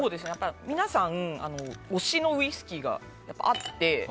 皆さん推しのウイスキーがあって。